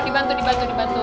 dibantu dibantu dibantu